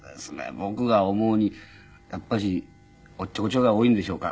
僕が思うにやっぱしおっちょこちょいが多いんでしょうか。